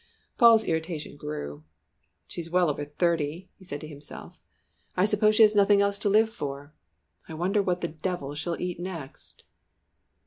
Paul's irritation grew. "She's well over thirty," he said to himself. "I suppose she has nothing else to live for! I wonder what the devil she'll eat next!"